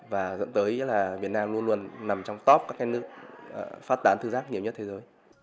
và dẫn tới là việt nam luôn luôn nằm trong top các cái nước phát tán thư giác nhiều nhất thế giới